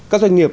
các doanh nghiệp